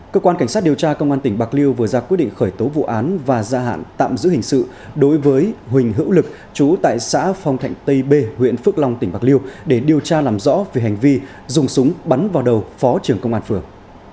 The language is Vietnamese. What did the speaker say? cơ quan cảnh sát điều tra công an tỉnh bạc liêu vừa ra quyết định khởi tố vụ án và gia hạn tạm giữ hình sự đối với huỳnh hữu lực chú tại xã phong thạnh tây b huyện phước long tỉnh bạc liêu để điều tra làm rõ về hành vi dùng súng bắn vào đầu phó trưởng công an phường